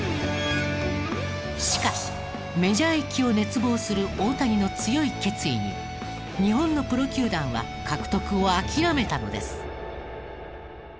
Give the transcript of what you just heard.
しかしメジャー行きを熱望する大谷の強い決意に日本のプロ球団は獲得を諦めたのです。